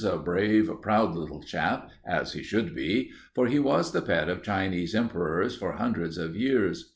A brave, proud little chap, as he should be, for he was the pet of Chinese emperors for hundreds of years.